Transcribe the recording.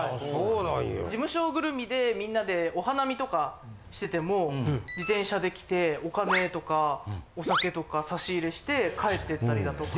へえそうなんや。とかしてても自転車で来てお金とかお酒とか差し入れして帰ってったりだとか。